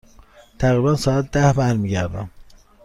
تقریبا ساعت ده برمی گردم.